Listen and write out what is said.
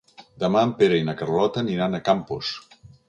Demà en Pere i na Carlota aniran a Campos.